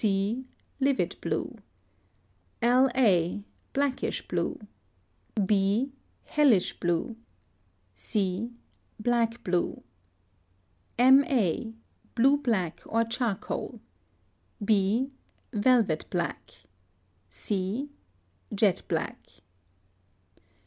c. Livid blue. L. a. Blackish blue. b. Hellish blue. c. Black blue. M. a. Blue black or charcoal. b. Velvet black. c. Jet black.